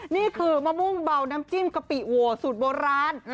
นี่คือมะม่วงเบาน้ำจิ้มกะปิโวสูตรโบราณ